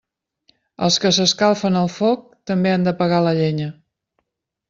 Els que s'escalfen al foc també han de pagar la llenya.